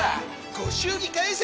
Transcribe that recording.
ご祝儀返せ！